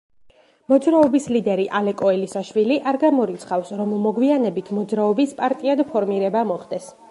მოძრაობის ლიდერი ალეკო ელისაშვილი არ გამორიცხავს, რომ მოგვიანებით მოძრაობის პარტიად ფორმირება მოხდეს.